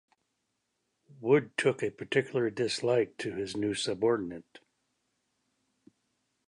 Wood took a particular dislike to his new subordinate.